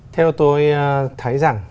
theo tôi thấy rằng